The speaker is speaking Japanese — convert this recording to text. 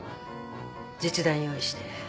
実弾用意して。